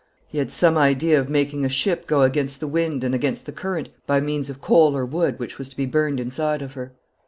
He had some idea of making a ship go against the wind and against the current by means of coal or wood which was to be burned inside of her.